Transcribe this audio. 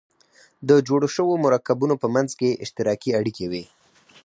د جوړو شوو مرکبونو په منځ کې اشتراکي اړیکې وي.